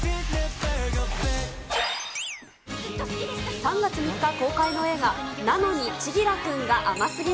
３月３日公開の映画、なのに、千輝くんが甘すぎる。